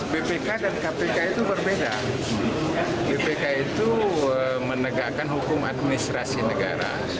bpk dan kpk itu berbeda bpk itu menegakkan hukum administrasi negara